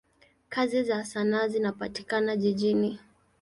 Kazi za sanaa zinapatikana jijini.